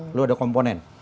lalu ada komponen